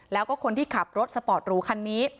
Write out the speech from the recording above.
แล้วก็คนที่ขับรถสปอร์ตหรูคันนี้